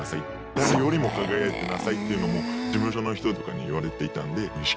誰よりも輝いてなさい」っていうのを事務所の人とかに言われていたんで意識してました。